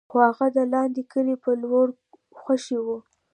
خو هغه د لاندې کلي په لور خوشې و.